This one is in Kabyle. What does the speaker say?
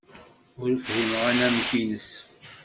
Ur fhimeɣ anamek-nnes.